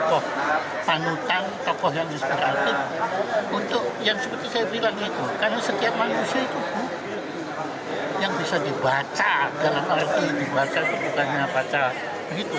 tapi dengan seluruh indera kita bisa dibaca dan bisa dipelajari